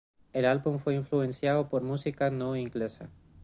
El álbum fue influenciado por la música no inglesa.